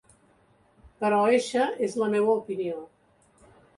Però eixa és la meua opinió.